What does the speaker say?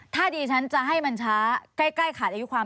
ถ้าดีฉันจะให้มันช้าใกล้ขาดอายุความ